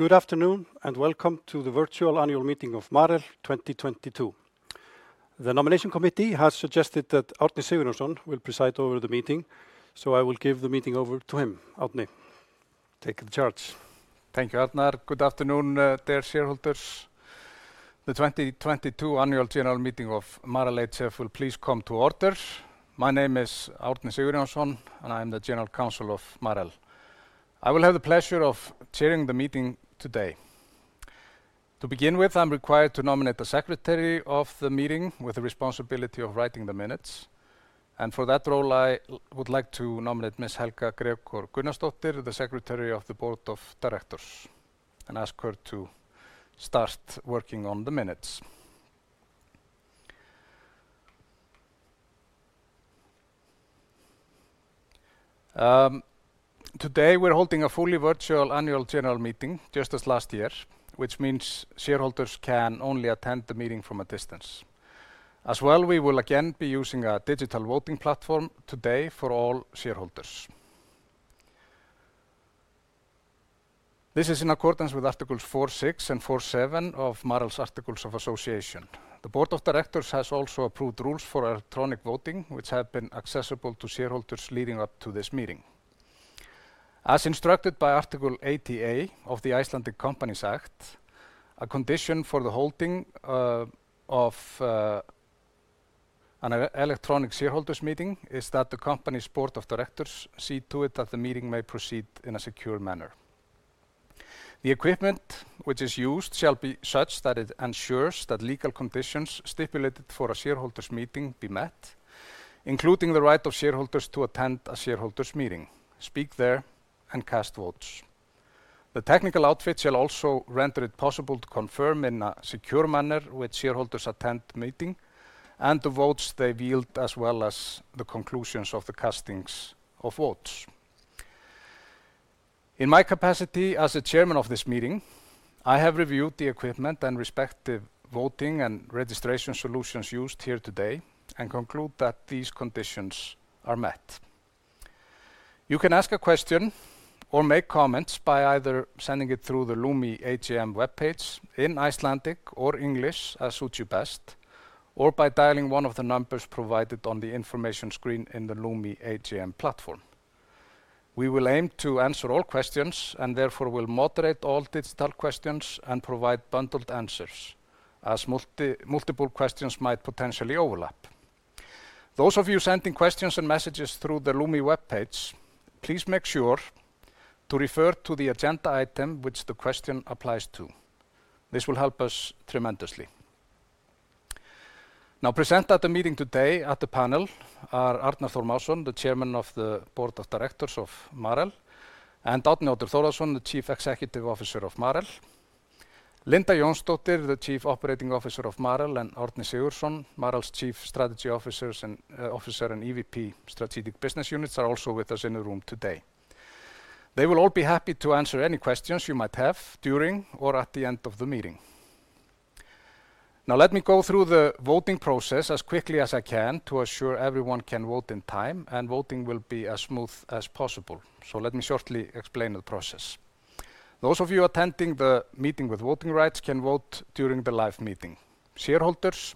Good afternoon, and welcome to the virtual annual meeting of Marel 2022. The nomination committee has suggested that Árni Sigurjónsson will preside over the meeting, so I will give the meeting over to him. Arni, take charge. Thank you, Arnar. Good afternoon, dear shareholders. The 2022 annual general meeting of Marel hf will please come to order. My name is Árni Sigurjónsson, and I'm the General Counsel of Marel. I will have the pleasure of chairing the meeting today. To begin with, I'm required to nominate the secretary of the meeting with the responsibility of writing the minutes. For that role, I would like to nominate Ms. Helga Grím Gunnarsdóttir, the Secretary to the Board of Directors, and ask her to start working on the minutes. Today we're holding a fully virtual annual general meeting, just as last year, which means shareholders can only attend the meeting from a distance. As well, we will again be using a digital voting platform today for all shareholders. This is in accordance with Articles 46 and 47 of Marel's Articles of Association. The Board of Directors has also approved rules for electronic voting, which have been accessible to shareholders leading up to this meeting. As instructed by Article 80a of the Icelandic Companies Act, a condition for the holding of an electronic shareholders meeting is that the company's Board of Directors see to it that the meeting may proceed in a secure manner. The equipment which is used shall be such that it ensures that legal conditions stipulated for a shareholders meeting be met, including the right of shareholders to attend a shareholders meeting, speak there, and cast votes. The technical outfit shall also render it possible to confirm in a secure manner which shareholders attend meeting and the votes they yield, as well as the conclusions of the castings of votes. In my capacity as the chairman of this meeting, I have reviewed the equipment and respective voting and registration solutions used here today and conclude that these conditions are met. You can ask a question or make comments by either sending it through the Lumi AGM webpage in Icelandic or English as suits you best, or by dialing one of the numbers provided on the information screen in the Lumi AGM platform. We will aim to answer all questions and therefore will moderate all digital questions and provide bundled answers as multiple questions might potentially overlap. Those of you sending questions and messages through the Lumi webpage, please make sure to refer to the agenda item which the question applies to. This will help us tremendously. Present at the meeting today at the panel are Arnar Þór Másson, Chairman of the Board of Directors of Marel, and Árni Oddur Thordarson, Chief Executive Officer of Marel. Linda Jónsdóttir, Chief Operating Officer of Marel, and Árni Sigurdsson, Marel's Chief Strategy Officer and EVP Strategic Business Units, are also with us in the room today. They will all be happy to answer any questions you might have during or at the end of the meeting. Now let me go through the voting process as quickly as I can to assure everyone can vote in time, and voting will be as smooth as possible. Let me shortly explain the process. Those of you attending the meeting with voting rights can vote during the live meeting. Shareholders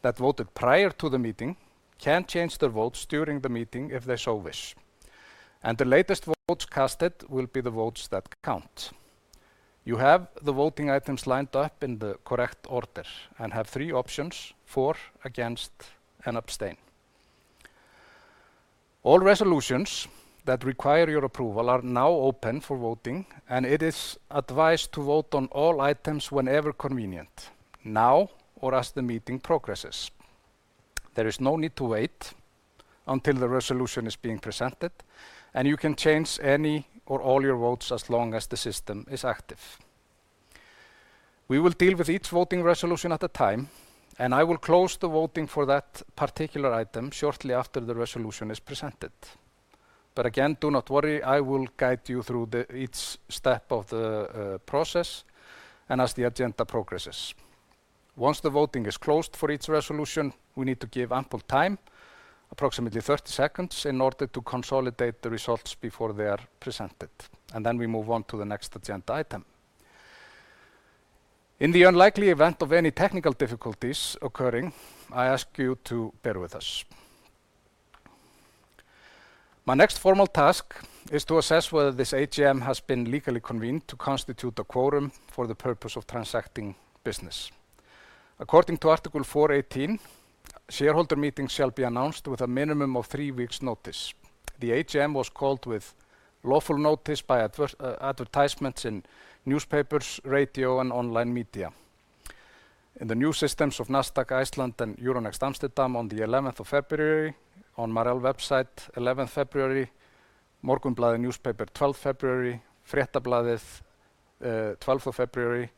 that voted prior to the meeting can change their votes during the meeting if they so wish, and the latest votes cast will be the votes that count. You have the voting items lined up in the correct order and have three options, for, against, and abstain. All resolutions that require your approval are now open for voting, and it is advised to vote on all items whenever convenient, now or as the meeting progresses. There is no need to wait until the resolution is being presented, and you can change any or all your votes as long as the system is active. We will deal with each voting resolution at a time, and I will close the voting for that particular item shortly after the resolution is presented. Again, do not worry. I will guide you through each step of the process and as the agenda progresses. Once the voting is closed for each resolution, we need to give ample time, approximately 30 seconds, in order to consolidate the results before they are presented, and then we move on to the next agenda item. In the unlikely event of any technical difficulties occurring, I ask you to bear with us. My next formal task is to assess whether this AGM has been legally convened to constitute a quorum for the purpose of transacting business. According to Article 418, shareholder meetings shall be announced with a minimum of three weeks' notice. The AGM was called with lawful notice by advertisements in newspapers, radio, and online media. In the new systems of Nasdaq Iceland and Euronext Amsterdam on 11th February, on Marel website 11th February, Morgunblaðið newspaper 12th February, Fréttablaðið 12th February.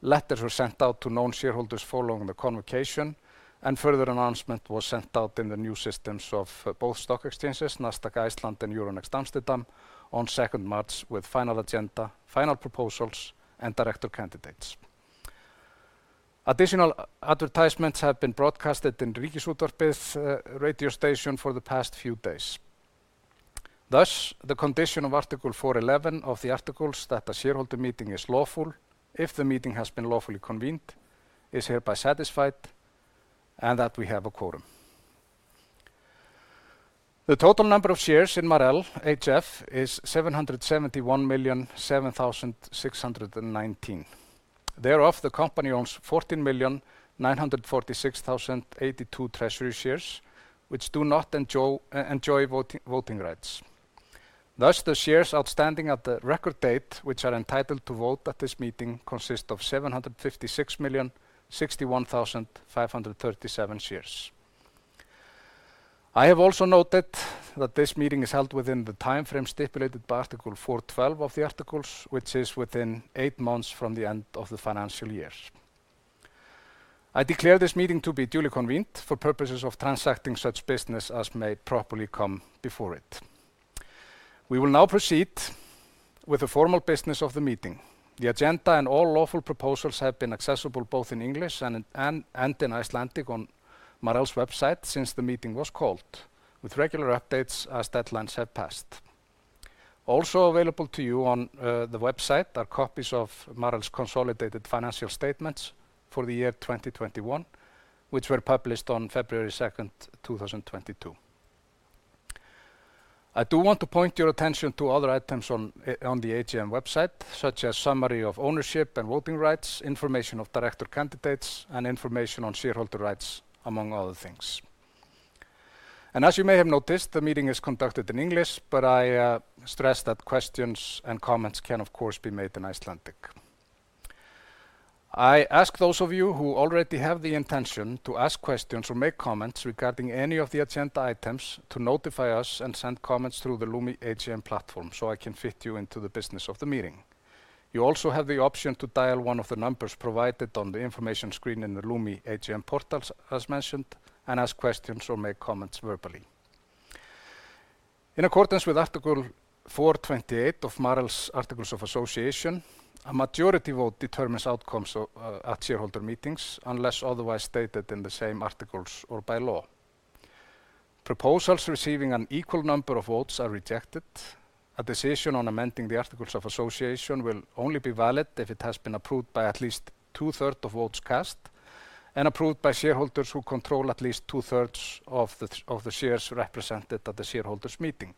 Letters were sent out to known shareholders following the convocation, and further announcement was sent out in the new systems of both stock exchanges, Nasdaq Iceland and Euronext Amsterdam, on 2nd March with final agenda, final proposals, and director candidates. Additional advertisements have been broadcast in Ríkisútvarpið's radio station for the past few days. Thus, the condition of Article 411 of the articles that the shareholder meeting is lawful if the meeting has been lawfully convened is hereby satisfied, and that we have a quorum. The total number of shares in Marel hf is 771,007,619. Thereof, the company owns 14,946,082 treasury shares, which do not enjoy voting rights. Thus, the shares outstanding at the record date, which are entitled to vote at this meeting, consist of 756,061,537 shares. I have also noted that this meeting is held within the timeframe stipulated by Article 412 of the articles, which is within eight months from the end of the financial year. I declare this meeting to be duly convened for purposes of transacting such business as may properly come before it. We will now proceed with the formal business of the meeting. The agenda and all lawful proposals have been accessible both in English and in Icelandic on Marel's website since the meeting was called, with regular updates as deadlines have passed. Also available to you on the website are copies of Marel's consolidated financial statements for the year 2021, which were published on February 2, 2022. I do want to point your attention to other items on the AGM website, such as summary of ownership and voting rights, information of director candidates, and information on shareholder rights, among other things. As you may have noticed, the meeting is conducted in English, but I stress that questions and comments can, of course, be made in Icelandic. I ask those of you who already have the intention to ask questions or make comments regarding any of the agenda items to notify us and send comments through the Lumi AGM platform, so I can fit you into the business of the meeting. You also have the option to dial one of the numbers provided on the information screen in the Lumi AGM portals, as mentioned, and ask questions or make comments verbally. In accordance with Article 428 of Marel's Articles of Association, a majority vote determines outcomes of at shareholder meetings, unless otherwise stated in the same articles or by law. Proposals receiving an equal number of votes are rejected. A decision on amending the Articles of Association will only be valid if it has been approved by at least two-thirds of votes cast and approved by shareholders who control at least two-thirds of the shares represented at the shareholders meeting,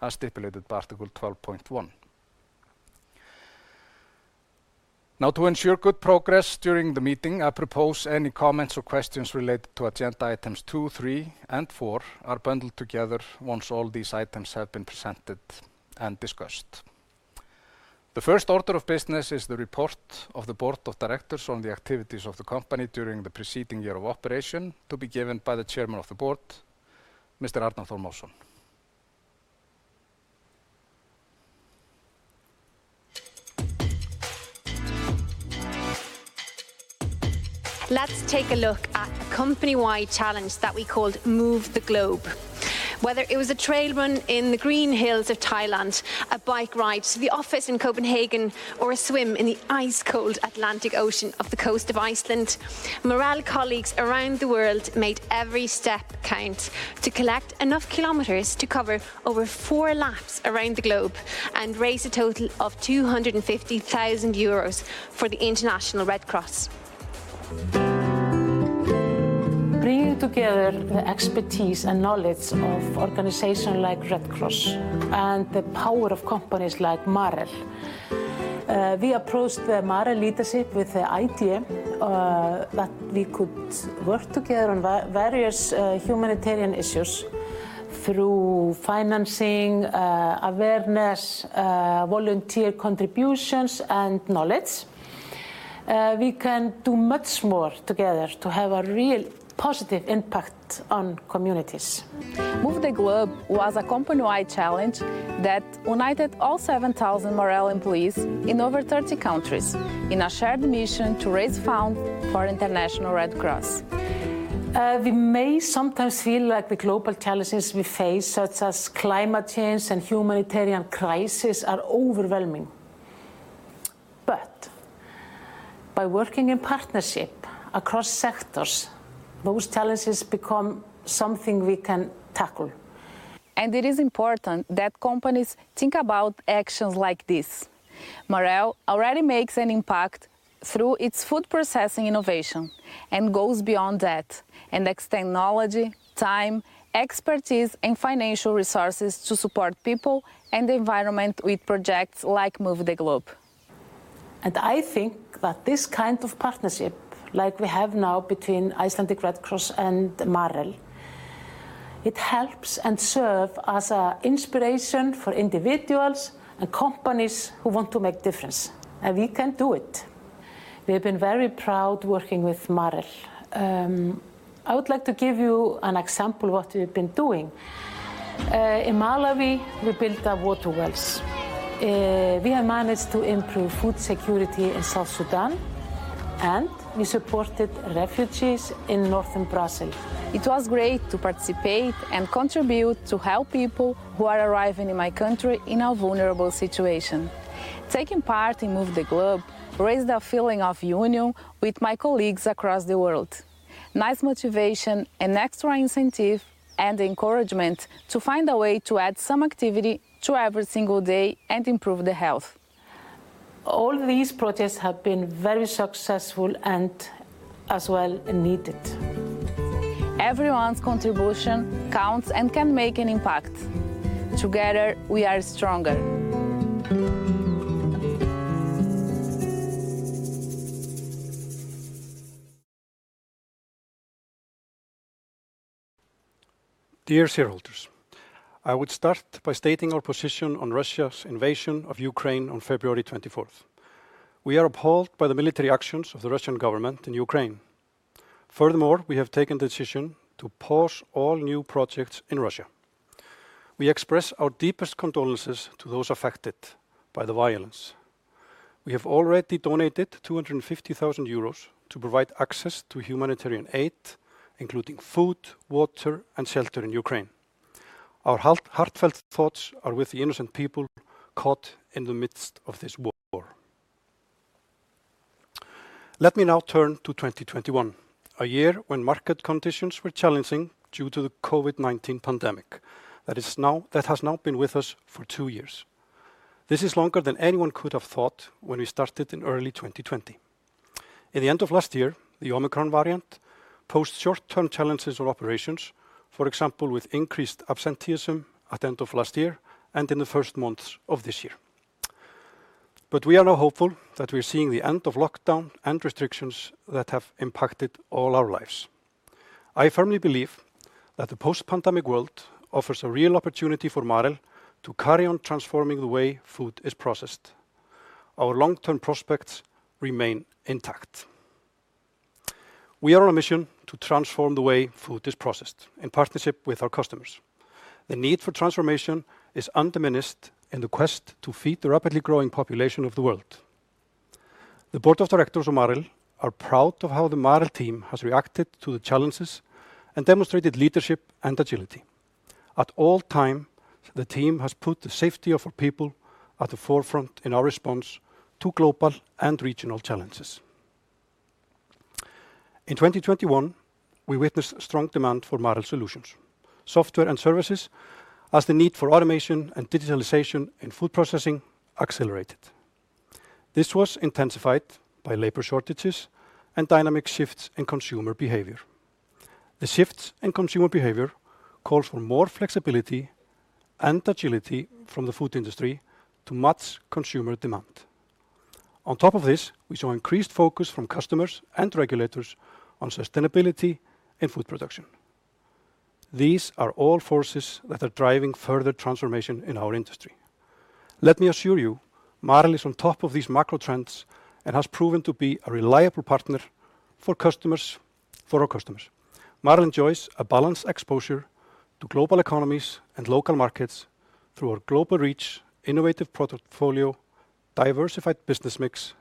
as stipulated by Article 12.1. Now, to ensure good progress during the meeting, I propose any comments or questions related to agenda items two, three, and four are bundled together once all these items have been presented and discussed. The first order of business is the report of the Board of Directors on the activities of the company during the preceding year of operation, to be given by the Chairman of the Board, Mr. Arnar Þór Másson. Let's take a look at a company-wide challenge that we called Move the Globe. Whether it was a trail run in the green hills of Thailand, a bike ride to the office in Copenhagen, or a swim in the ice-cold Atlantic Ocean off the coast of Iceland, Marel colleagues around the world made every step count to collect enough kilometers to cover over four laps around the globe and raise a total of 250,000 euros for the International Red Cross. Bringing together the expertise and knowledge of organization like Red Cross and the power of companies like Marel, we approached the Marel leadership with the idea that we could work together on various humanitarian issues through financing, awareness, volunteer contributions, and knowledge. We can do much more together to have a real positive impact on communities. Move the Globe was a company-wide challenge that united all 7,000 Marel employees in over 30 countries in a shared mission to raise funds for International Red Cross. We may sometimes feel like the global challenges we face, such as climate change and humanitarian crisis, are overwhelming. By working in partnership across sectors, those challenges become something we can tackle. It is important that companies think about actions like this. Marel already makes an impact through its food processing innovation and goes beyond that and extends knowledge, time, expertise, and financial resources to support people and the environment with projects like Move the Globe. I think that this kind of partnership, like we have now between Icelandic Red Cross and Marel, it helps and serve as a inspiration for individuals and companies who want to make difference. We can do it. We have been very proud working with Marel. I would like to give you an example what we've been doing. In Malawi, we built water wells. We have managed to improve food security in South Sudan, and we supported refugees in northern Brazil. It was great to participate and contribute to help people who are arriving in my country in a vulnerable situation. Taking part in Move the Globe raised a feeling of union with my colleagues across the world. Nice motivation and extra incentive and encouragement to find a way to add some activity to every single day and improve the health. All these projects have been very successful and as well needed. Everyone's contribution counts and can make an impact. Together we are stronger. Dear shareholders, I would start by stating our position on Russia's invasion of Ukraine on February 24. We are appalled by the military actions of the Russian government in Ukraine. Furthermore, we have taken the decision to pause all new projects in Russia. We express our deepest condolences to those affected by the violence. We have already donated 250,000 euros to provide access to humanitarian aid, including food, water, and shelter in Ukraine. Our heartfelt thoughts are with the innocent people caught in the midst of this war. Let me now turn to 2021, a year when market conditions were challenging due to the COVID-19 pandemic that has now been with us for two years. This is longer than anyone could have thought when we started in early 2020. At the end of last year, the Omicron variant posed short-term challenges on operations, for example, with increased absenteeism at the end of last year and in the first months of this year. We are now hopeful that we're seeing the end of lockdown and restrictions that have impacted all our lives. I firmly believe that the post-pandemic world offers a real opportunity for Marel to carry on transforming the way food is processed. Our long-term prospects remain intact. We are on a mission to transform the way food is processed in partnership with our customers. The need for transformation is undiminished in the quest to feed the rapidly growing population of the world. The Board of directors of Marel are proud of how the Marel team has reacted to the challenges and demonstrated leadership and agility. At all times, the team has put the safety of our people at the forefront in our response to global and regional challenges. In 2021, we witnessed strong demand for Marel solutions, software, and services, as the need for automation and digitalization in food processing accelerated. This was intensified by labor shortages and dynamic shifts in consumer behavior. The shifts in consumer behavior calls for more flexibility and agility from the food industry to match consumer demand. On top of this, we saw increased focus from customers and regulators on sustainability in food production. These are all forces that are driving further transformation in our industry. Let me assure you, Marel is on top of these macro trends and has proven to be a reliable partner for our customers. Marel enjoys a balanced exposure to global economies and local markets through our global reach, innovative product portfolio, diversified business mix.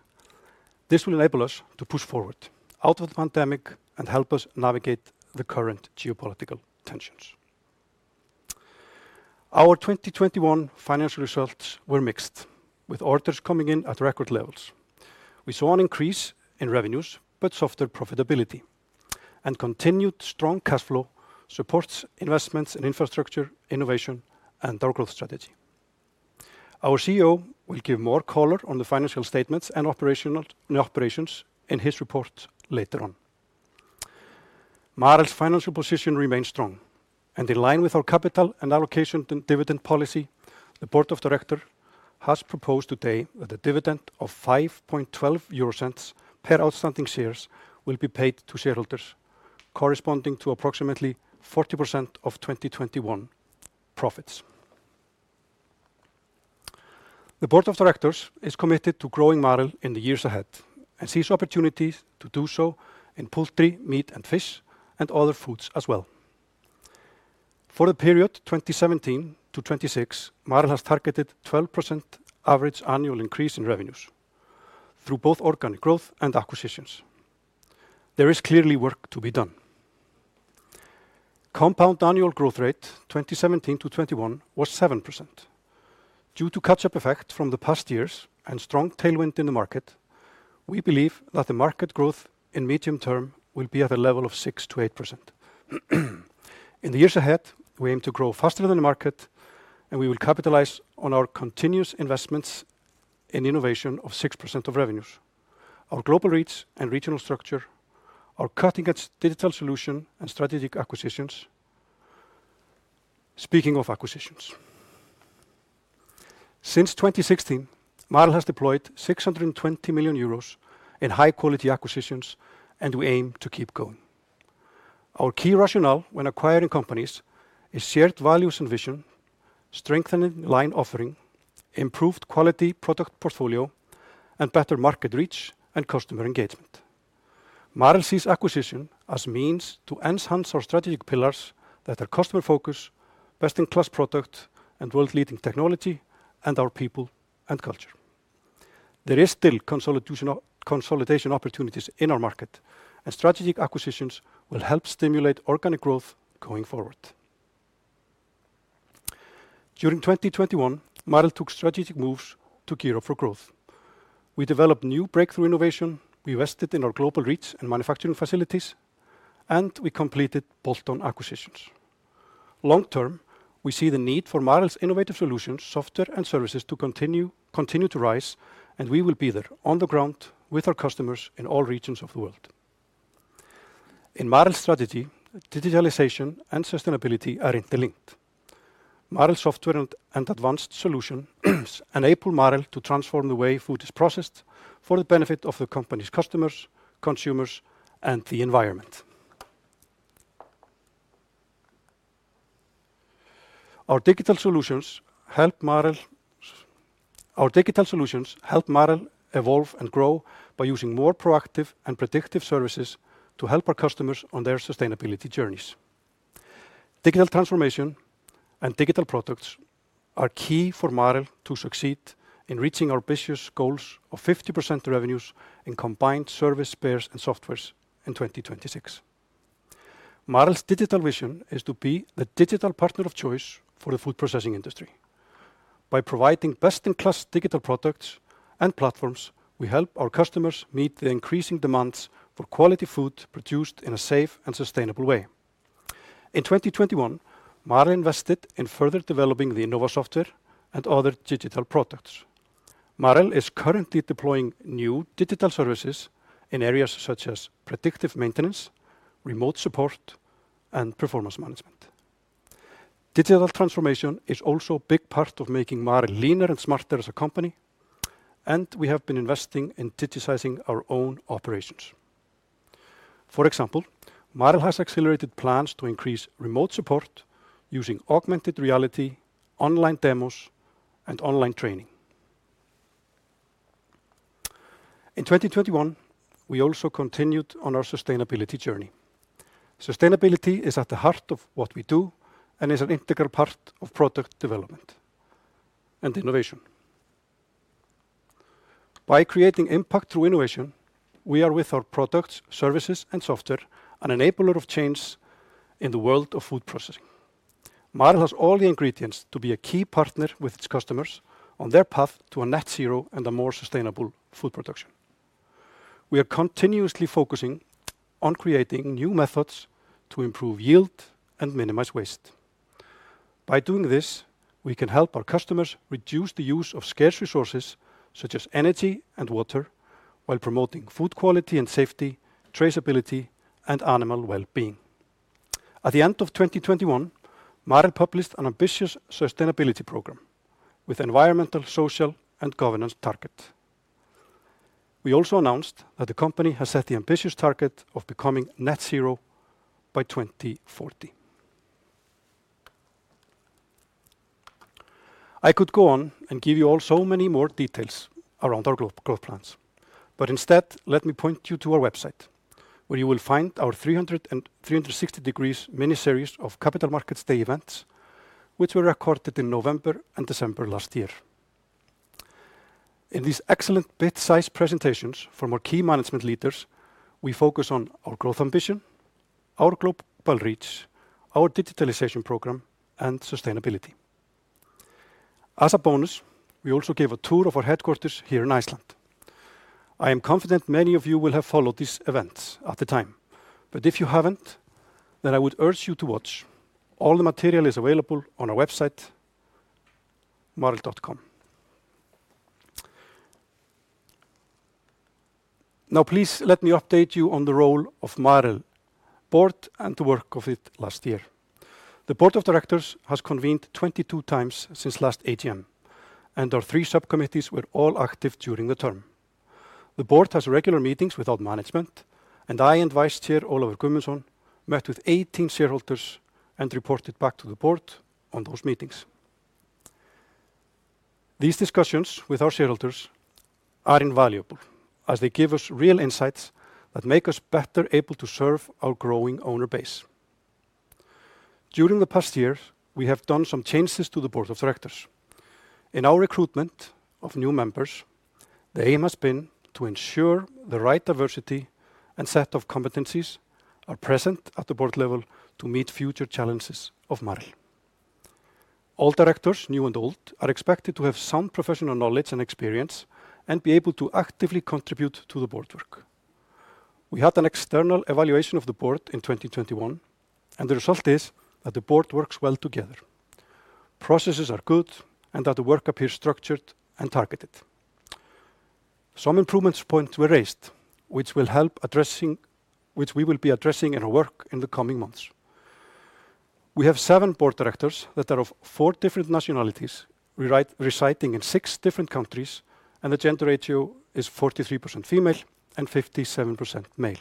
This will enable us to push forward out of the pandemic and help us navigate the current geopolitical tensions. Our 2021 financial results were mixed, with orders coming in at record levels. We saw an increase in revenues but softer profitability. Continued strong cash flow supports investments in infrastructure, innovation, and our growth strategy. Our CEO will give more color on the financial statements and operational and new operations in his report later on. Marel's financial position remains strong, and in line with our capital allocation and dividend policy, the Board of Directors has proposed today that a dividend of 0.0512 per outstanding share will be paid to shareholders, corresponding to approximately 40% of 2021 profits. The Board of Directors is committed to growing Marel in the years ahead and sees opportunities to do so in poultry, meat, and fish, and other foods as well. For the period 2017-2026, Marel has targeted 12% average annual increase in revenues through both organic growth and acquisitions. There is clearly work to be done. Compound annual growth rate 2017-2021 was 7%. Due to catch-up effect from the past years and strong tailwind in the market, we believe that the market growth in medium term will be at a level of 6%-8%. In the years ahead, we aim to grow faster than the market, and we will capitalize on our continuous investments in innovation of 6% of revenues, our global reach and regional structure, our cutting-edge digital solution, and strategic acquisitions. Speaking of acquisitions, since 2016, Marel has deployed 620 million euros in high-quality acquisitions, and we aim to keep going. Our key rationale when acquiring companies is shared values and vision, strengthening line offering, improved quality product portfolio, and better market reach and customer engagement. Marel sees acquisition as means to enhance our strategic pillars that are customer focus, best-in-class product, and world-leading technology, and our people and culture. There is still consolidation opportunities in our market, and strategic acquisitions will help stimulate organic growth going forward. During 2021, Marel took strategic moves to gear up for growth. We developed new breakthrough innovation, we invested in our global reach and manufacturing facilities, and we completed bolt-on acquisitions. Long term, we see the need for Marel's innovative solutions, software, and services to continue to rise, and we will be there on the ground with our customers in all regions of the world. In Marel strategy, digitalization and sustainability are interlinked. Marel software and advanced solution enable Marel to transform the way food is processed for the benefit of the company's customers, consumers, and the environment. Our digital solutions help Marel evolve and grow by using more proactive and predictive services to help our customers on their sustainability journeys. Digital transformation and digital products are key for Marel to succeed in reaching our ambitious goals of 50% revenues in combined service, spares, and softwares in 2026. Marel's digital vision is to be the digital partner of choice for the food processing industry. By providing best-in-class digital products and platforms, we help our customers meet the increasing demands for quality food produced in a safe and sustainable way. In 2021, Marel invested in further developing the Innova software and other digital products. Marel is currently deploying new digital services in areas such as predictive maintenance, remote support, and performance management. Digital transformation is also a big part of making Marel leaner and smarter as a company, and we have been investing in digitizing our own operations. For example, Marel has accelerated plans to increase remote support using augmented reality, online demos, and online training. In 2021, we also continued on our sustainability journey. Sustainability is at the heart of what we do and is an integral part of product development and innovation. By creating impact through innovation, we are, with our products, services, and software, an enabler of change in the world of food processing. Marel has all the ingredients to be a key partner with its customers on their path to a net zero and a more sustainable food production. We are continuously focusing on creating new methods to improve yield and minimize waste. By doing this, we can help our customers reduce the use of scarce resources such as energy and water while promoting food quality and safety, traceability, and animal well-being. At the end of 2021, Marel published an ambitious sustainability program with environmental, social, and governance target. We also announced that the company has set the ambitious target of becoming net zero by 2040. I could go on and give you all so many more details around our global growth plans. Instead, let me point you to our website, where you will find our 360-degree mini-series of Capital Markets Day events, which were recorded in November and December last year. In these excellent bite-sized presentations from our key management leaders, we focus on our growth ambition, our global reach, our digitalization program, and sustainability. As a bonus, we also gave a tour of our headquarters here in Iceland. I am confident many of you will have followed these events at the time. If you haven't, then I would urge you to watch. All the material is available on our website, marel.com. Now please let me update you on the role of Marel Board and the work of it last year. The Board of Directors has convened 22 times since last AGM, and our three subcommittees were all active during the term. The Board has regular meetings without management, and I and Vice Chair Olafur S. Gudmundsson met with 18 shareholders and reported back to the Board on those meetings. These discussions with our shareholders are invaluable, as they give us real insights that make us better able to serve our growing owner base. During the past year, we have done some changes to the Board of Directors. In our recruitment of new members, the aim has been to ensure the right diversity and set of competencies are present at the Board level to meet future challenges of Marel. All directors, new and old, are expected to have some professional knowledge and experience and be able to actively contribute to the Board work. We had an external evaluation of the Board in 2021, and the result is that the Board works well together. Processes are good and that the work appears structured and targeted. Some improvements points were raised, which we will be addressing in our work in the coming months. We have seven Board Directors that are of four different nationalities, residing in six different countries, and the gender ratio is 43% female and 57% male.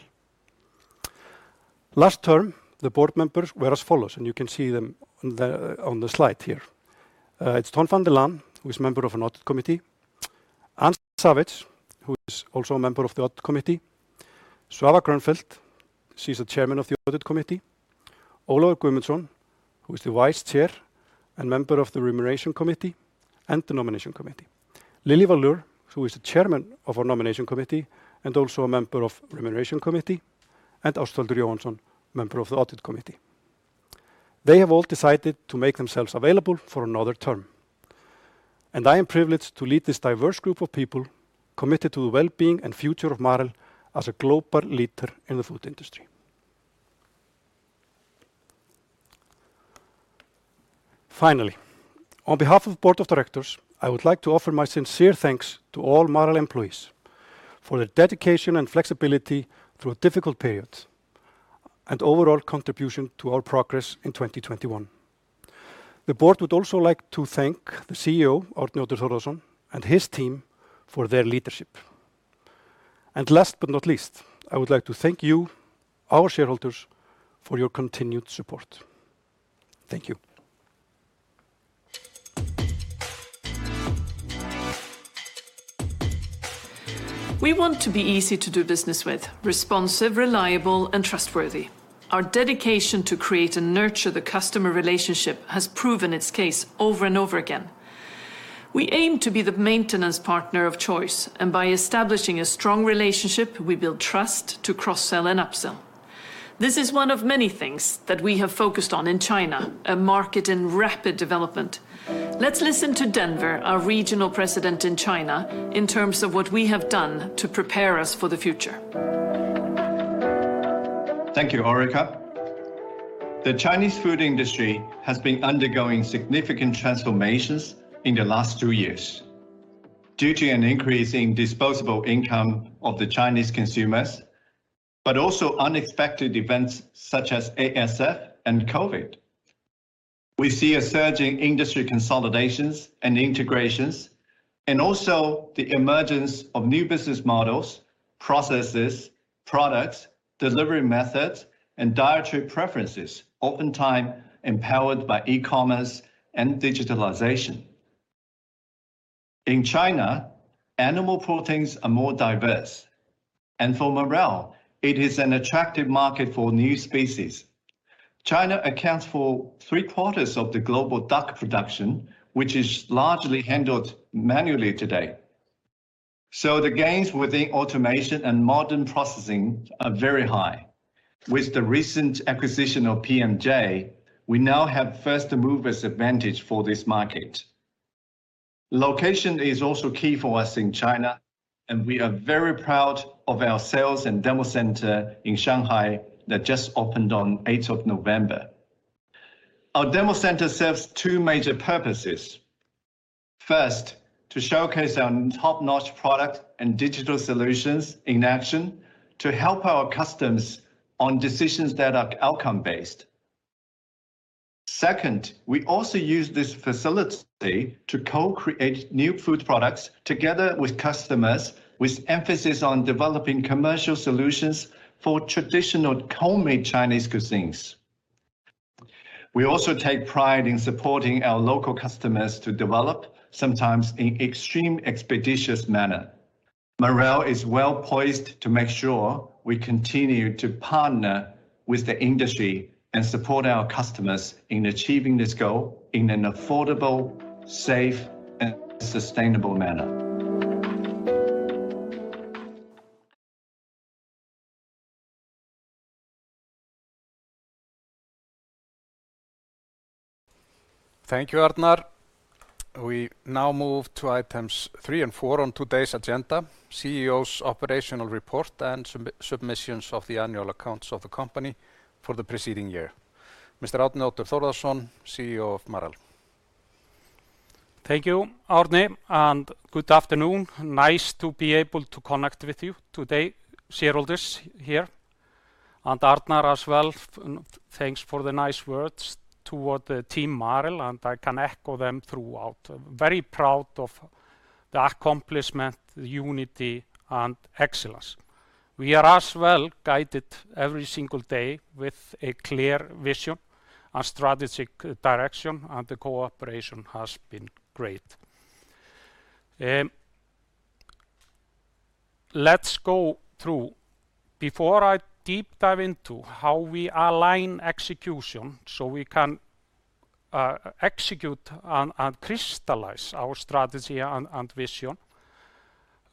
Last term, the board members were as follows, and you can see them on the slide here. It's Ton van der Laan, who is member of an Audit Committee. Ann Savage, who is also a member of the Audit Committee. Svafa Grönfeldt, she's the Chairman of the Audit Committee. Olafur Gudmundsson, who is the Vice Chair and member of the Remuneration Committee and the Nomination Committee. Lillie Li Valeur, who is the chairman of our nomination committee and also a member of remuneration committee. Ásthildur Otharsdottir, member of the Audit Committee. They have all decided to make themselves available for another term, and I am privileged to lead this diverse group of people committed to the well-being and future of Marel as a global leader in the food industry. Finally, on behalf of the Board of Directors, I would like to offer my sincere thanks to all Marel employees for their dedication and flexibility through a difficult period and overall contribution to our progress in 2021. The Board would also like to thank the CEO, Arni Oddur Thordarson, and his team for their leadership. Last but not least, I would like to thank you, our shareholders, for your continued support. Thank you. We want to be easy to do business with, responsive, reliable, and trustworthy. Our dedication to create and nurture the customer relationship has proven its case over and over again. We aim to be the maintenance partner of choice, and by establishing a strong relationship, we build trust to cross-sell and upsell. This is one of many things that we have focused on in China, a market in rapid development. Let's listen to Denver, our regional president in China, in terms of what we have done to prepare us for the future. Thank you, Ulrika. The Chinese food industry has been undergoing significant transformations in the last two years due to an increase in disposable income of the Chinese consumers, but also unexpected events such as ASF and COVID. We see a surge in industry consolidations and integrations, and also the emergence of new business models, processes, products, delivery methods, and dietary preferences, oftentimes empowered by e-commerce and digitalization. In China, animal proteins are more diverse, and for Marel, it is an attractive market for new species. China accounts for three-quarters of the global duck production, which is largely handled manually today, so the gains within automation and modern processing are very high. With the recent acquisition of PMJ, we now have first mover's advantage for this market. Location is also key for us in China, and we are very proud of our sales and demo center in Shanghai that just opened on 8th November. Our demo center serves two major purposes. First, to showcase our top-notch product and digital solutions in action to help our customers on decisions that are outcome based. Second, we also use this facility to co-create new food products together with customers, with emphasis on developing commercial solutions for traditional homemade Chinese cuisines. We also take pride in supporting our local customers to develop, sometimes in an extremely expeditious manner. Marel is well poised to make sure we continue to partner with the industry and support our customers in achieving this goal in an affordable, safe, and sustainable manner. Thank you, Arnar. We now move to items three and four on today's agenda, CEO's operational report and submissions of the annual accounts of the company for the preceding year. Mr. Arni Oddur Thordarson, CEO of Marel. Thank you, Árni, and good afternoon. Nice to be able to connect with you today, shareholders here. Arnar as well, thanks for the nice words toward the team, Marel, and I can echo them throughout. Very proud of the accomplishment, the unity, and excellence. We are as well guided every single day with a clear vision and strategic direction, and the cooperation has been great. Let's go through. Before I deep dive into how we align execution, so we can execute and crystallize our strategy and vision,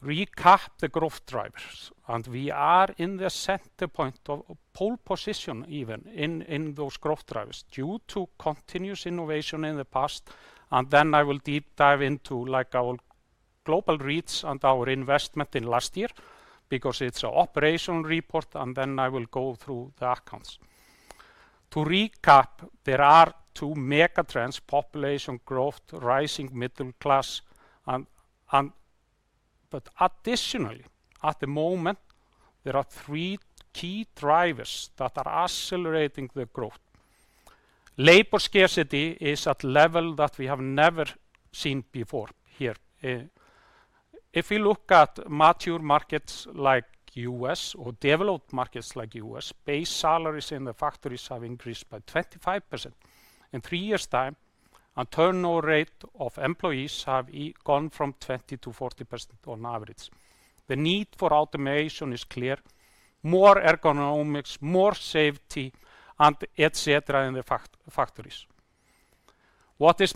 recap the growth drivers. We are in the center point of pole position even in those growth drivers due to continuous innovation in the past. Then I will deep dive into, like, our global reach and our investment in last year because it's an operational report, and then I will go through the accounts. To recap, there are two mega trends: population growth, rising middle class. Additionally, at the moment, there are three key drivers that are accelerating the growth. Labor scarcity is at a level that we have never seen before here. If you look at mature markets like U.S. or developed markets like U.S., base salaries in the factories have increased by 25%. In three years' time, a turnover rate of employees has gone from 20%-40% on average. The need for automation is clear, more ergonomics, more safety, and et cetera, in the factories. What is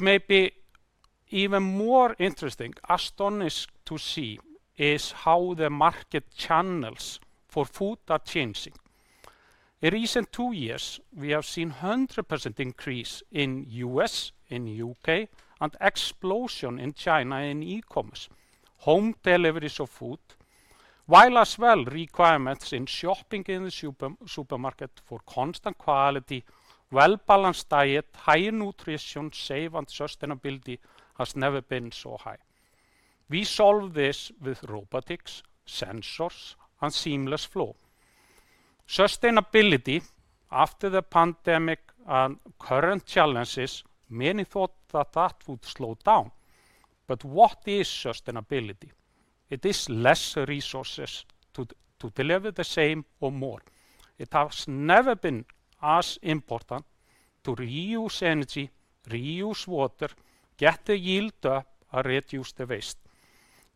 maybe even more interesting, astonishing to see is how the market channels for food are changing. In recent two years, we have seen 100% increase in U.S., in U.K., and explosion in China in e-commerce, home deliveries of food, while as well requirements in shopping in the supermarket for constant quality, well-balanced diet, high nutrition, safe and sustainability has never been so high. We solve this with robotics, sensors, and seamless flow. Sustainability after the pandemic and current challenges, many thought that would slow down. What is sustainability? It is less resources to deliver the same or more. It has never been as important to reuse energy, reuse water, get the yield up or reduce the waste.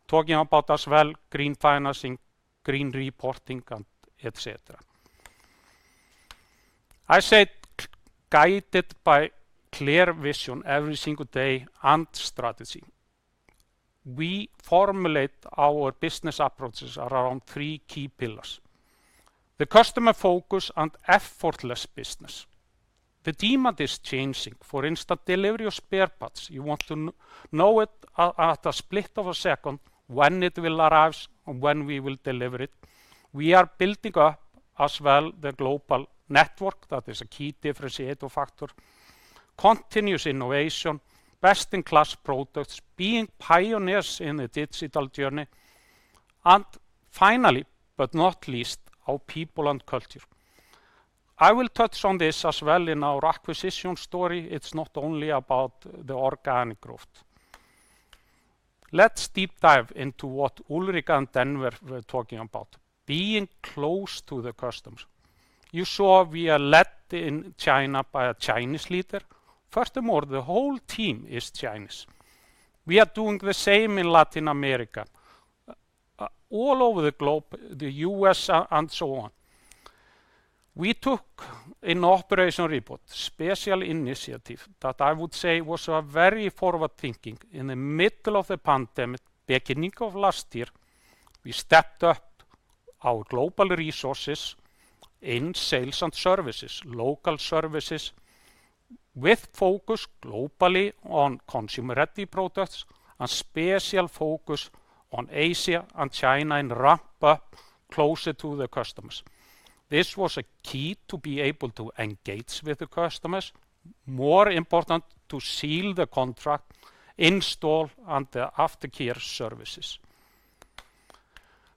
Talking about as well green financing, green reporting and et cetera. I said, guided by clear vision every single day and strategy. We formulate our business approaches around three key pillars. The customer focus and effortless business. The demand is changing. For instant delivery of spare parts, you want to know it in a split second when it will arrive and when we will deliver it. We are building up as well the global network that is a key differentiator factor, continuous innovation, best-in-class products, being pioneers in the digital journey. Finally, but not least, our people and culture. I will touch on this as well in our acquisition story. It's not only about the organic growth. Let's deep dive into what Ulrika and David were talking about, being close to the customers. You saw we are led in China by a Chinese leader. Furthermore, the whole team is Chinese. We are doing the same in Latin America, all over the globe, the U.S., and so on. We took an operational special initiative that I would say was a very forward-thinking. In the middle of the pandemic, beginning of last year, we stepped up our global resources in sales and services, local services, with focus globally on consumer-ready products and special focus on Asia and China in ramp up closer to the customers. This was a key to be able to engage with the customers, more important to seal the contract, install, and the aftercare services.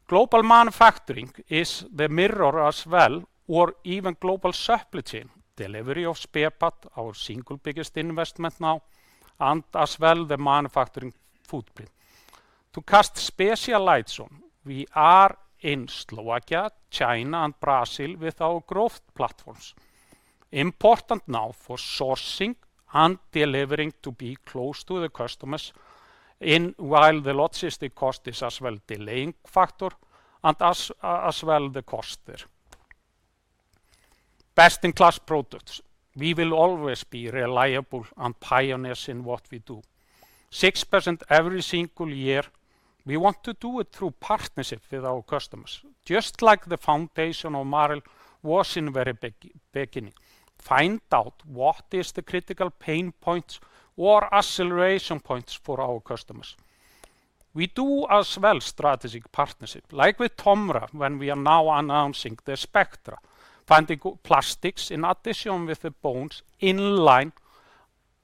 Global manufacturing is the mirror as well, or even global supply chain, delivery of spare part, our single biggest investment now, and as well the manufacturing footprint. To cast special light on, we are in Slovakia, China, and Brazil with our growth platforms. Important now for sourcing and delivering to be close to the customers in, while the logistic cost is as well delaying factor and as well the cost there. Best-in-class products. We will always be reliable and pioneers in what we do. 6% every single year, we want to do it through partnership with our customers, just like the foundation of Marel was in very beginning. Find out what is the critical pain points or acceleration points for our customers. We do as well strategic partnership, like with Tomra, when we are now announcing the Spectra, finding plastics in addition with the bones in line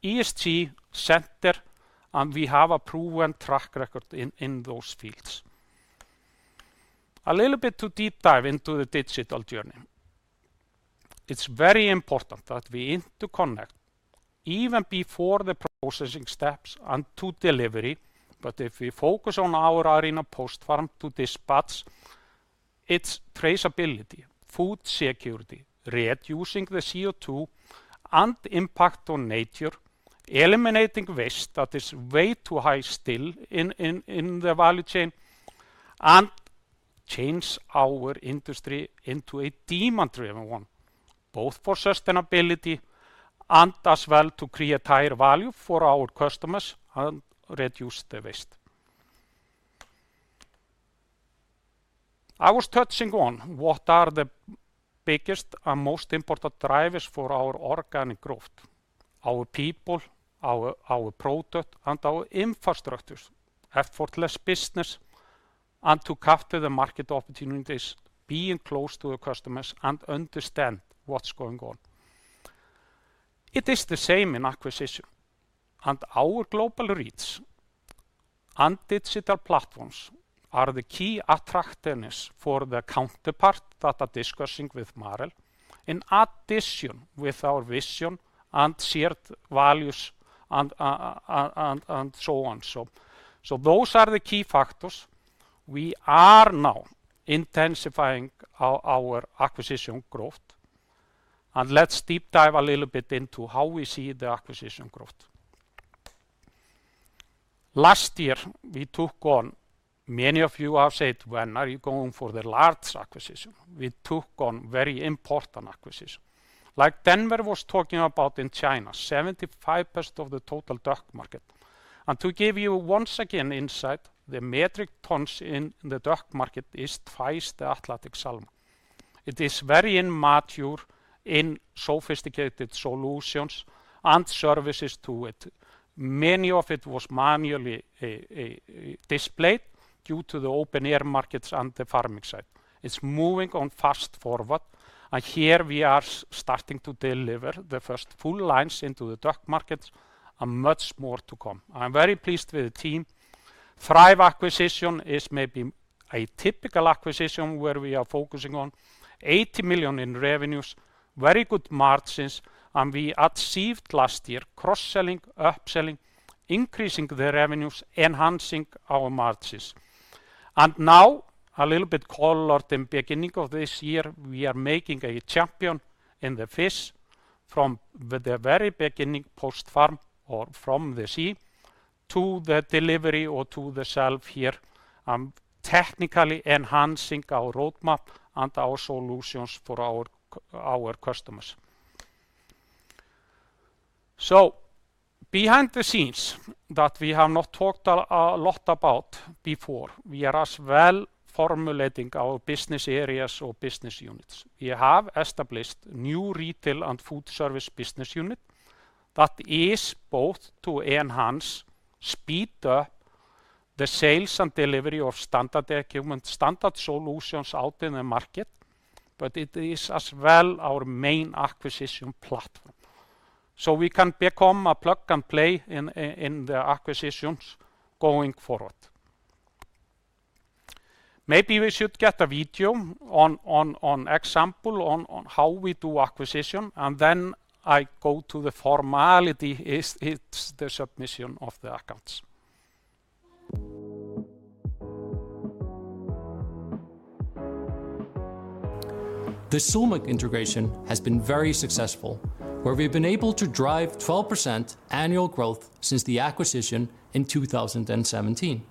ESG center, and we have a proven track record in those fields. A little bit to deep dive into the digital journey. It's very important that we interconnect even before the processing steps and to delivery. If we focus on our arena post-farm to dispatch, its traceability, food security, reducing the CO2, and impact on nature, eliminating waste that is way too high still in the value chain, and change our industry into a demand-driven one, both for sustainability and as well to create higher value for our customers and reduce the waste. I was touching on what are the biggest and most important drivers for our organic growth, our people, our product, and our infrastructures, effortless business, and to capture the market opportunities, being close to the customers and understand what's going on. It is the same in acquisition. Our global reach and digital platforms are the key attractiveness for the counterpart that are discussing with Marel, in addition with our vision and shared values and so on. Those are the key factors. We are now intensifying our acquisition growth, and let's deep dive a little bit into how we see the acquisition growth. Last year, as many of you have said, when are you going for the large acquisition? We took on very important acquisition. Like Denver was talking about in China, 75% of the total duck market. To give you once again insight, the metric tons in the duck market is twice the Atlantic salmon. It is very immature in sophisticated solutions and services to it. Many of it was manually displayed due to the open-air markets on the farming side. It's moving on fast-forward, and here we are starting to deliver the first full lines into the duck markets and much more to come. I'm very pleased with the team. Thrive acquisition is maybe a typical acquisition where we are focusing on 80 million in revenues, very good margins, and we achieved last year cross-selling, upselling, increasing the revenues, enhancing our margins. Now a little bit later on the beginning of this year, we are making a chain in the fish from the very beginning post-farm or from the sea to the delivery or to the shelf here, technically enhancing our roadmap and our solutions for our customers. Behind the scenes that we have not talked a lot about before, we are as well formulating our business areas or business units. We have established new retail and food service business unit that is both to enhance, speed up the sales and delivery of standard equipment, standard solutions out in the market, but it is as well our main acquisition platform. We can become a plug-and-play in the acquisitions going forward. Maybe we should get a video on an example of how we do acquisition and then I go to the formalities. It's the submission of the accounts. The Sulmaq integration has been very successful, where we've been able to drive 12% annual growth since the acquisition in 2017.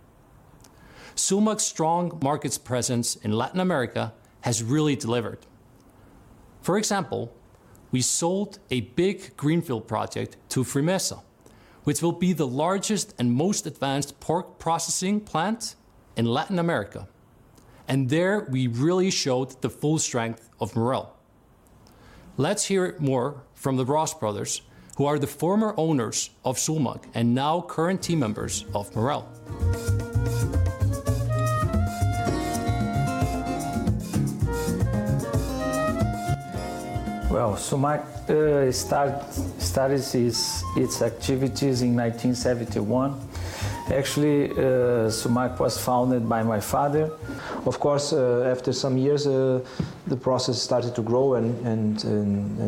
Sulmaq's strong market presence in Latin America has really delivered. For example, we sold a big greenfield project to FRIMESA, which will be the largest and most advanced pork processing plant in Latin America. There, we really showed the full strength of Marel. Let's hear more from the Ross brothers, who are the former owners of Sulmaq and now current team members of Marel. Well, Sulmaq started its activities in 1971. Actually, Sulmaq was founded by my father. Of course, after some years, the process started to grow and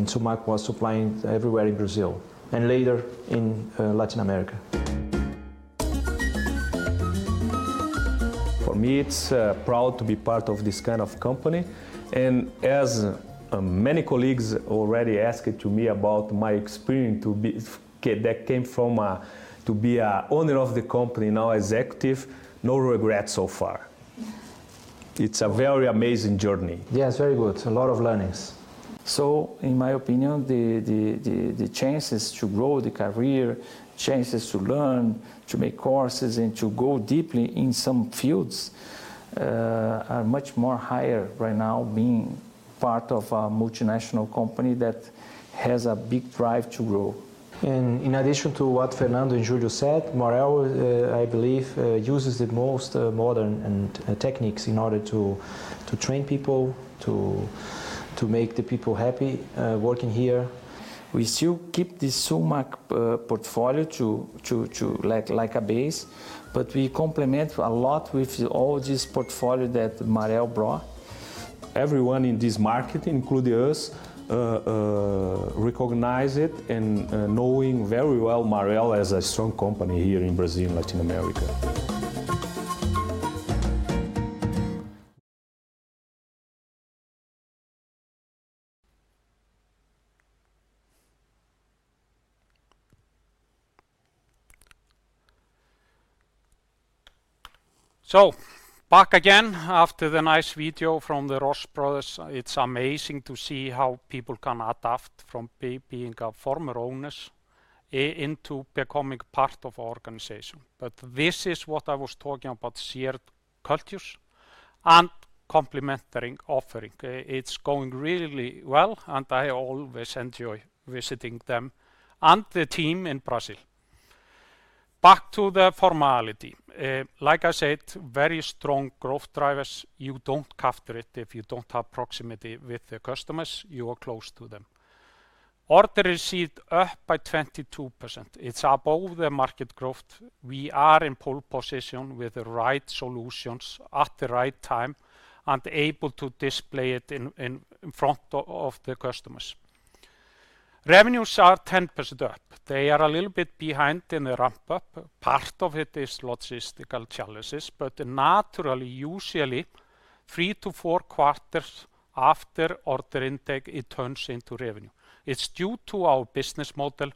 Sulmaq was supplying everywhere in Brazil and later in Latin America. For me, it's proud to be part of this kind of company. As many colleagues already asked to me about my experience that came from to be a owner of the company, now executive, no regrets so far. It's a very amazing journey. Yes, very good. A lot of learnings. In my opinion, the chances to grow the career, chances to learn, to make courses, and to go deeply in some fields are much more higher right now being part of a multinational company that has a big drive to grow. In addition to what Fernando and Julio said, Marel I believe uses the most modern and techniques in order to train people, to make the people happy working here. We still keep the Sulmaq portfolio to like a base, but we complement a lot with all this portfolio that Marel brought. Everyone in this market, including us, recognize it, and knowing very well Marel is a strong company here in Brazil and Latin America. Back again after the nice video from the Ross brothers. It's amazing to see how people can adapt from being former owners into becoming part of our organization. This is what I was talking about, shared cultures and complementing offering. It's going really well, and I always enjoy visiting them and the team in Brazil. Back to the formality. Like I said, very strong growth drivers. You don't capture it if you don't have proximity with the customers. You are close to them. Order received up by 22%. It's above the market growth. We are in pole position with the right solutions at the right time and able to display it in front of the customers. Revenues are 10% up. They are a little bit behind in the ramp-up. Part of it is logistical challenges, but naturally, usually. Three to four quarters after order intake, it turns into revenue. It's due to our business model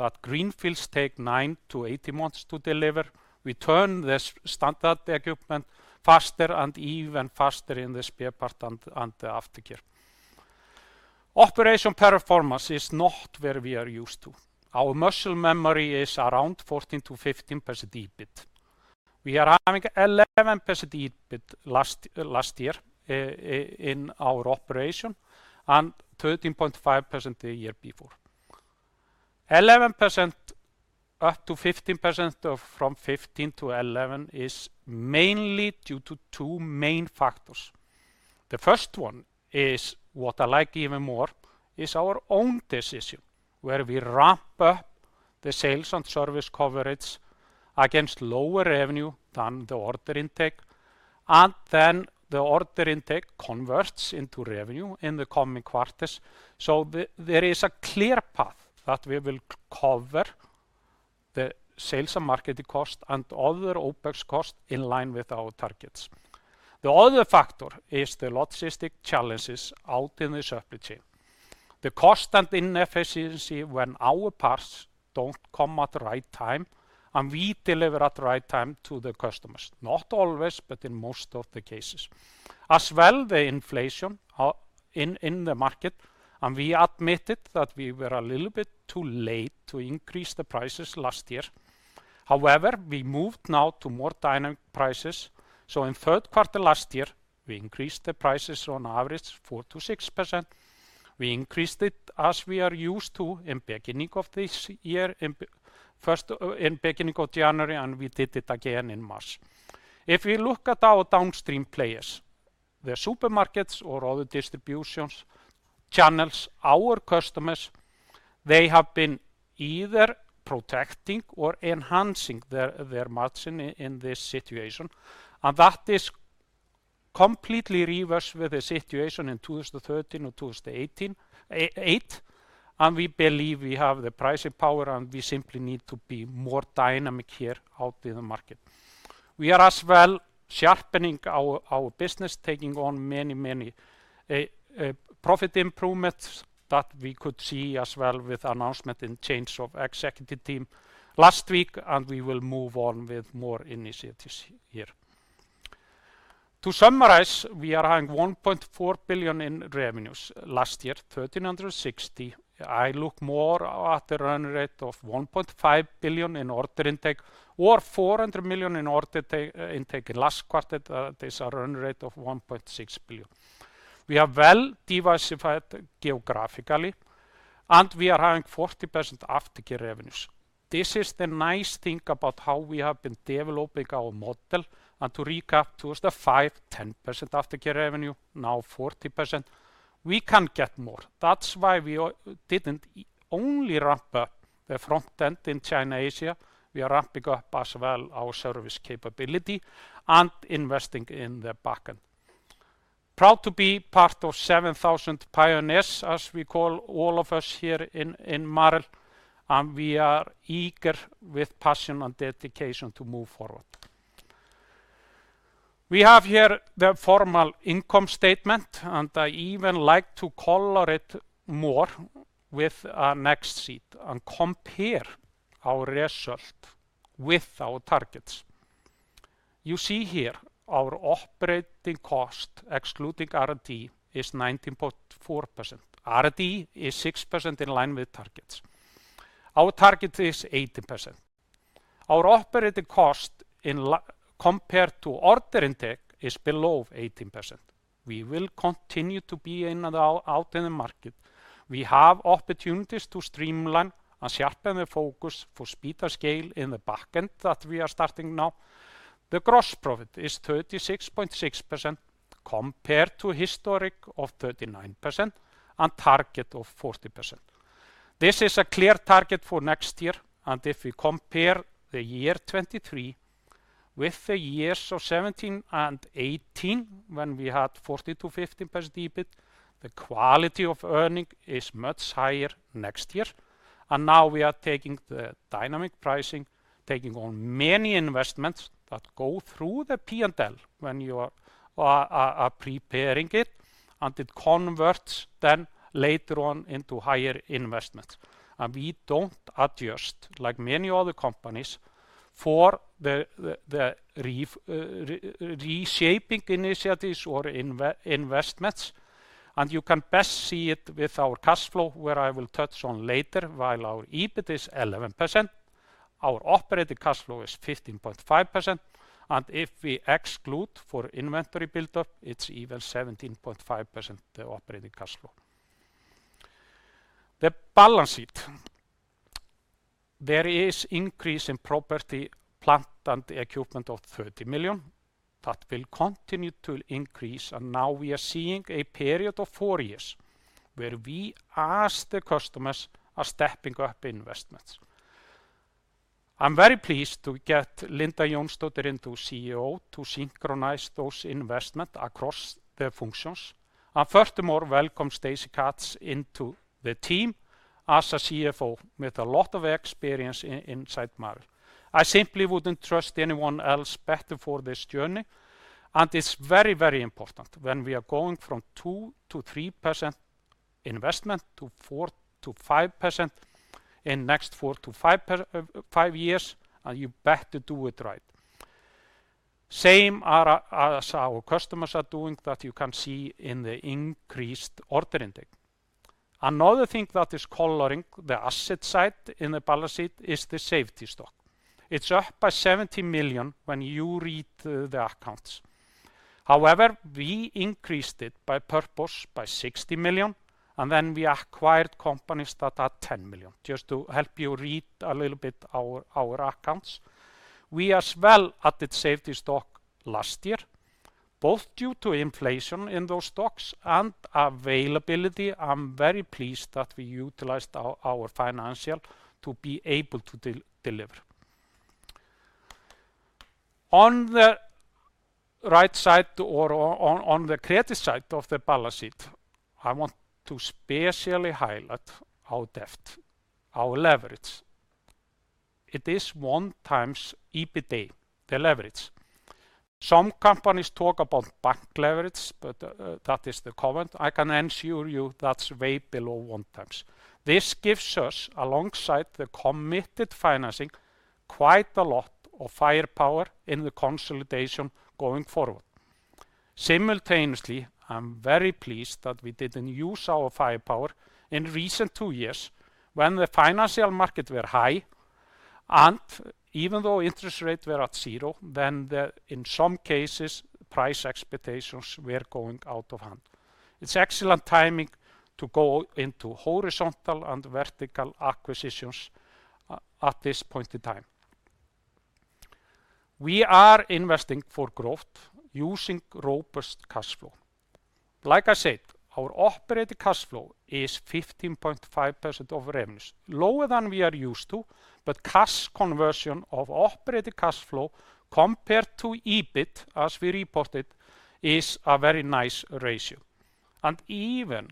that greenfields take nine to 18 months to deliver. We turn this standard equipment faster and even faster in the spare part and the aftercare. Operation performance is not where we are used to. Our muscle memory is around 14%-15% EBIT. We are having 11% EBIT last year in our operation, and 13.5% the year before. 11% up to 15% of from 15% to 11% is mainly due to two main factors. The first one is what I like even more is our own decision, where we ramp up the sales and service coverage against lower revenue than the order intake. Then the order intake converts into revenue in the coming quarters. There is a clear path that we will cover the sales and marketing cost and other OPEX costs in line with our targets. The other factor is the logistics challenges out in the supply chain. The cost and inefficiency when our parts don't come at the right time, and we deliver at the right time to the customers. Not always, but in most of the cases. As well, the inflation in the market, and we admitted that we were a little bit too late to increase the prices last year. However, we moved now to more dynamic prices. In third quarter last year, we increased the prices on average 4%-6%. We increased it as we are used to in beginning of this year, in beginning of January, and we did it again in March. If we look at our downstream players, the supermarkets or other distribution channels, our customers, they have been either protecting or enhancing their margin in this situation. That is completely reverse with the situation in 2013 and 2018, and we believe we have the pricing power, and we simply need to be more dynamic here out in the market. We are as well sharpening our business, taking on many profit improvements that we could see as well with announcement and change of executive team last week, and we will move on with more initiatives here. To summarize, we are having 1.4 billion in revenues last year, 1.360 billion. I look more at the run rate of 1.5 billion in order intake or 400 million in order intake last quarter. This is a run rate of 1.6 billion. We are well diversified geographically, and we are having 40% aftercare revenues. This is the nice thing about how we have been developing our model. To recap, 2005, 10% aftercare revenue, now 40%, we can get more. That's why we didn't only ramp up the front end in China, Asia. We are ramping up as well our service capability and investing in the back end. Proud to be part of 7,000 pioneers, as we call all of us here in Marel, and we are eager with passion and dedication to move forward. We have here the formal income statement, and I even like to color it more with our next sheet and compare our result with our targets. You see here our operating cost, excluding R&D, is 19.4%. R&D is 6% in line with targets. Our target is 18%. Our operating cost compared to order intake is below 18%. We will continue to be out in the market. We have opportunities to streamline and sharpen the focus for speed of scale in the back end that we are starting now. The gross profit is 36.6% compared to historic of 39% and target of 40%. This is a clear target for next year. If we compare the year 2023 with the years of 2017 and 2018, when we had 40%-50% EBIT, the quality of earning is much higher next year. Now we are taking the dynamic pricing, taking on many investments that go through the P&L when you are preparing it, and it converts then later on into higher investment. We don't adjust like many other companies for the reshaping initiatives or investments. You can best see it with our cash flow, where I will touch on later. While our EBIT is 11%, our operating cash flow is 15.5%. If we exclude for inventory buildup, it's even 17.5%, the operating cash flow. The balance sheet. There is increase in property, plant, and equipment of 30 million. That will continue to increase. Now we are seeing a period of four years where we ask the customers are stepping up investments. I'm very pleased to get Linda Jónsdóttir as COO to synchronize those investment across the functions. Furthermore, welcome Stacey Katz into the team as a CFO with a lot of experience inside Marel. I simply wouldn't trust anyone else better for this journey, and it's very, very important when we are going from 2%-3% investment to 4%-5% in next four to five years, and you better do it right. Same as our customers are doing that you can see in the increased order intake. Another thing that is coloring the asset side in the balance sheet is the safety stock. It's up by 70 million when you read the accounts. We increased it on purpose by 60 million, and then we acquired companies that are 10 million. Just to help you read a little bit our accounts. We as well added safety stock last year, both due to inflation in those stocks and availability. I'm very pleased that we utilized our financial to be able to deliver. On the right side, on the credit side of the balance sheet, I want to especially highlight our debt, our leverage. It is 1x EBITA, the leverage. Some companies talk about bank leverage, but that is the covenant. I can assure you that's way below 1x. This gives us, alongside the committed financing, quite a lot of firepower in the consolidation going forward. Simultaneously, I'm very pleased that we didn't use our firepower in recent two years when the financial markets were high, and even though interest rates were at zero, then the, in some cases, price expectations were going out of hand. It's excellent timing to go into horizontal and vertical acquisitions at this point in time. We are investing for growth using robust cash flow. Like I said, our operating cash flow is 15.5% of revenues, lower than we are used to, but cash conversion of operating cash flow compared to EBIT, as we reported, is a very nice ratio. Even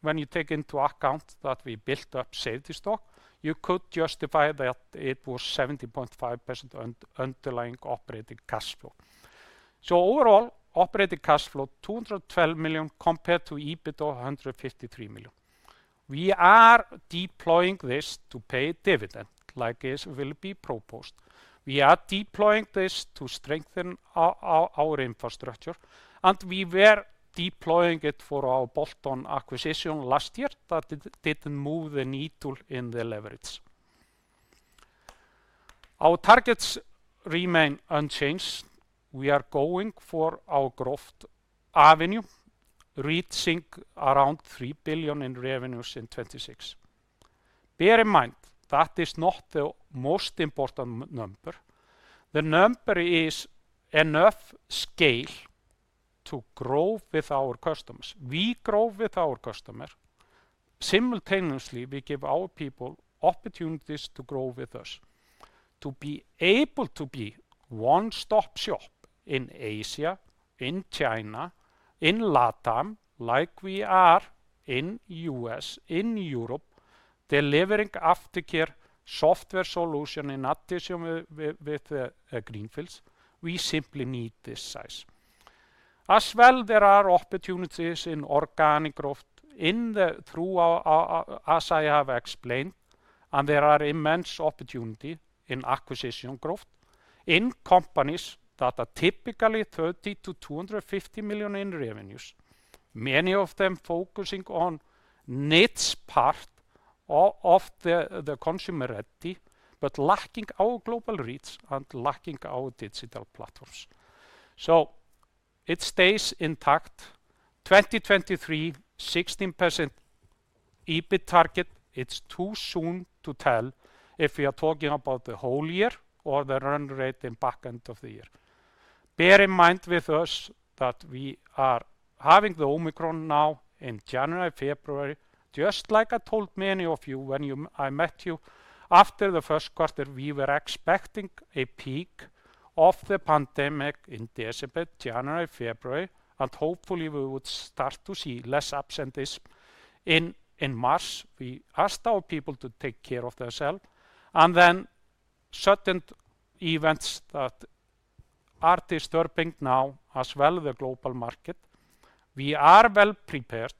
when you take into account that we built up safety stock, you could justify that it was 70.5% underlying operating cash flow. Overall, operating cash flow 212 million compared to EBIT of 153 million. We are deploying this to pay dividend, like this will be proposed. We are deploying this to strengthen our infrastructure, and we were deploying it for our bolt-on acquisition last year that didn't move the needle in the leverage. Our targets remain unchanged. We are going for our growth avenue, reaching around 3 billion in revenues in 2026. Bear in mind, that is not the most important number. The number is enough scale to grow with our customers. We grow with our customer. Simultaneously, we give our people opportunities to grow with us. To be able to be one-stop shop in Asia, in China, in LATAM, like we are in U.S., in Europe, delivering aftercare software solution in addition with the greenfields, we simply need this size. As well, there are opportunities in organic growth through our. As I have explained, there are immense opportunity in acquisition growth in companies that are typically 30 million-250 million in revenues, many of them focusing on niche part of the consumer ready, but lacking our global reach and lacking our digital platforms. It stays intact. 2023 16% EBIT target. It's too soon to tell if we are talking about the whole year or the run rate in back end of the year. Bear in mind with us that we are having the Omicron now in January, February. Just like I told many of you I met you, after the first quarter, we were expecting a peak of the pandemic in December, January, February, and hopefully we would start to see less absenteeism in March. We asked our people to take care of themselves. Sudden events that are disturbing now as well the global market. We are well prepared.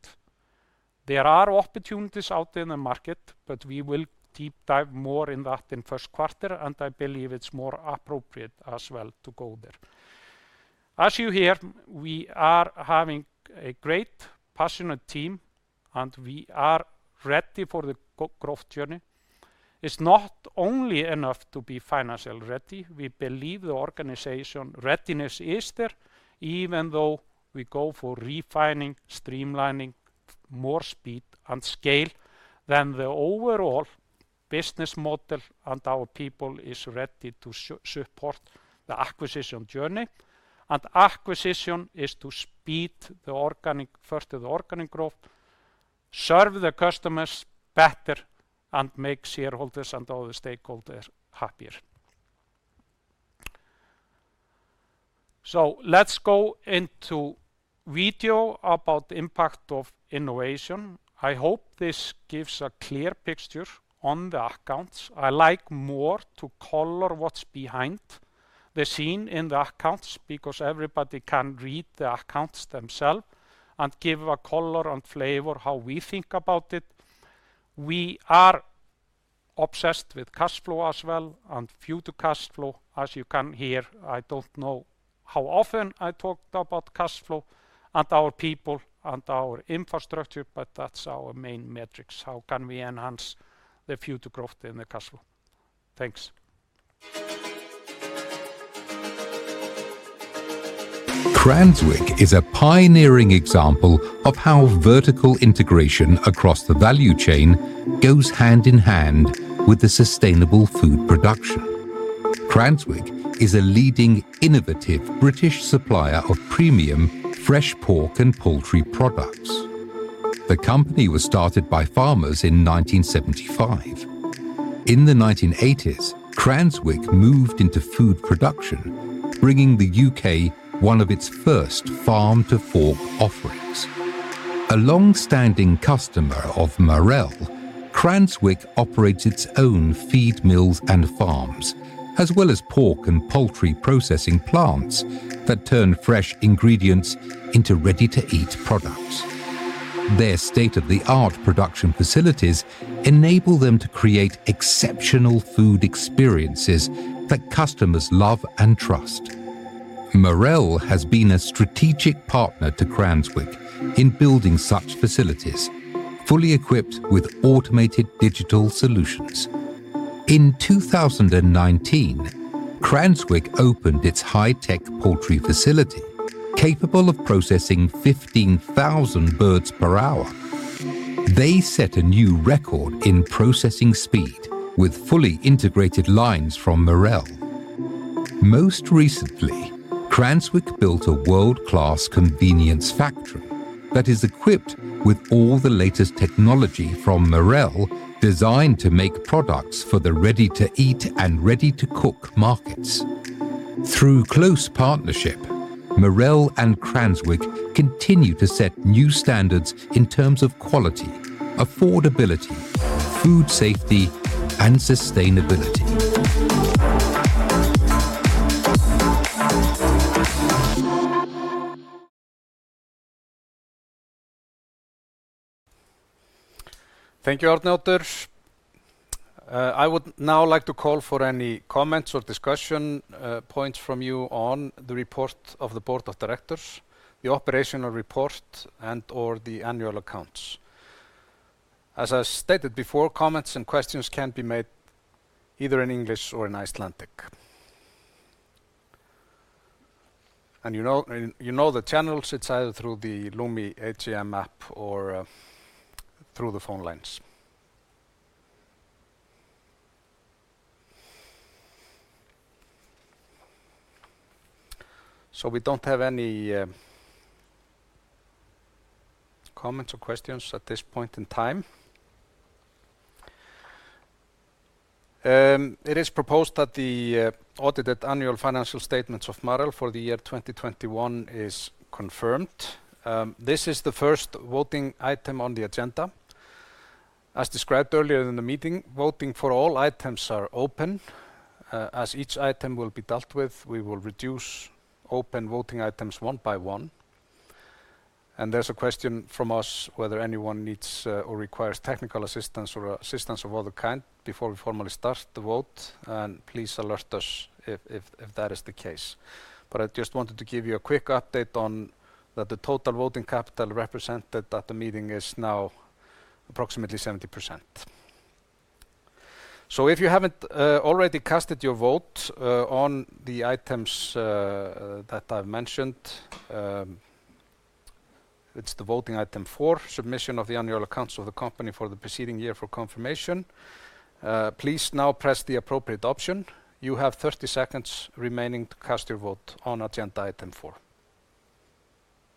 There are opportunities out in the market, but we will deep dive more in that in first quarter, and I believe it's more appropriate as well to go there. As you hear, we are having a great passionate team, and we are ready for the growth journey. It's not only enough to be financially ready. We believe the organization readiness is there, even though we go for refining, streamlining, more speed and scale than the overall business model, and our people is ready to support the acquisition journey. Acquisition is to speed the organic growth, serve the customers better, and make shareholders and other stakeholders happier. Let's go into video about the impact of innovation. I hope this gives a clear picture on the accounts. I like more to color what's behind the scenes in the accounts because everybody can read the accounts themselves and give a color and flavor how we think about it. We are obsessed with cash flow as well and future cash flow. As you can hear, I don't know how often I talked about cash flow and our people and our infrastructure, but that's our main metrics. How can we enhance the future growth in the cash flow? Thanks. Cranswick is a pioneering example of how vertical integration across the value chain goes hand-in-hand with the sustainable food production. Cranswick is a leading innovative British supplier of premium fresh pork and poultry products. The company was started by farmers in 1975. In the 1980s, Cranswick moved into food production, bringing the U.K. one of its first farm-to-fork offerings. A long-standing customer of Marel, Cranswick operates its own feed mills and farms, as well as pork and poultry processing plants that turn fresh ingredients into ready-to-eat products. Their state-of-the-art production facilities enable them to create exceptional food experiences that customers love and trust. Marel has been a strategic partner to Cranswick in building such facilities, fully equipped with automated digital solutions. In 2019, Cranswick opened its high-tech poultry facility, capable of processing 15,000 birds per hour. They set a new record in processing speed with fully integrated lines from Marel. Most recently, Cranswick built a world-class convenience factory that is equipped with all the latest technology from Marel designed to make products for the ready-to-eat and ready-to-cook markets. Through close partnership, Marel and Cranswick continue to set new standards in terms of quality, affordability, food safety, and sustainability. Thank you, Arnar. I would now like to call for any comments or discussion, points from you on the report of the board of directors, the operational report, and or the annual accounts. As I stated before, comments and questions can be made either in English or in Icelandic. You know the channels, it's either through the Lumi AGM app or through the phone lines. We don't have any comments or questions at this point in time. It is proposed that the audited annual financial statements of Marel for the year 2021 is confirmed. This is the first voting item on the agenda. As described earlier in the meeting, voting for all items are open. As each item will be dealt with, we will reduce open voting items one by one. There's a question from us whether anyone needs or requires technical assistance or assistance of other kind before we formally start the vote. Please alert us if that is the case. I just wanted to give you a quick update on that the total voting capital represented at the meeting is now approximately 70%. If you haven't already cast your vote on the items that I've mentioned, it's the voting item four, submission of the annual accounts of the company for the preceding year for confirmation. Please now press the appropriate option. You have 30 seconds remaining to cast your vote on agenda item four.